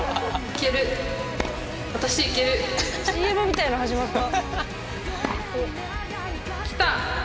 ＣＭみたいの始まった。